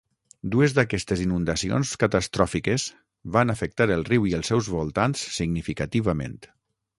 Dues d'aquestes inundacions catastròfiques van afectar el riu i els seus voltants significativament.